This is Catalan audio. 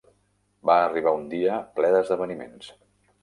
Va arribar un dia ple d'esdeveniments.